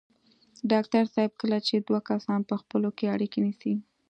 ډاکټر صاحب کله چې دوه کسان په خپلو کې اړيکې نیسي.